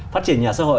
phát triển nhà ở xã hội